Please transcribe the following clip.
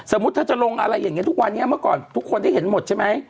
สมมุติถ้าจะลงอะไรอย่างนี้ทุกวันนี้เมื่อก่อนทุกคนได้เห็นหมดใช่ไหม